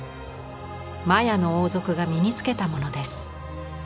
マヤの王族が身につけたものです。